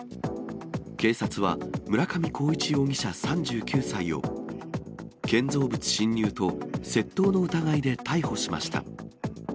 警察は村上浩一容疑者３９歳を、建造物侵入と窃盗の疑いで逮捕しました。